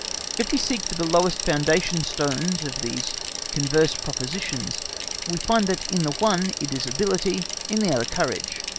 If we seek for the lowest foundation stones of these converse propositions we find that in the one it is ability, in the other, courage.